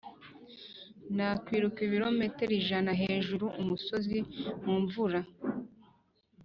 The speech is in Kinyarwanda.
nakwiruka ibirometero ijana hejuru-umusozi mu mvura,